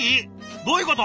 どういうこと！？